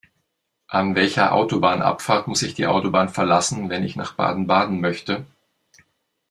An welcher Autobahnabfahrt muss ich die Autobahn verlassen, wenn ich nach Baden-Baden möchte?